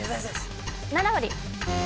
７割。